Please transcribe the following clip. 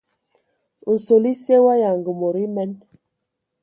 Nsol esye wa yanga mod emen.